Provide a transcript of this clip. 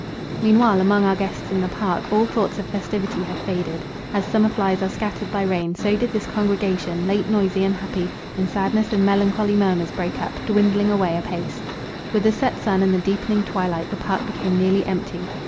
Meanwhile among our guests in the park, all thoughts of festivity had faded. As summer flies are scattered by rain, so did this congregation, late noisy and happy, in sadness and melancholy murmurs break up, dwindling away apace. With the set sun and the deepening twilight the park became nearly empty.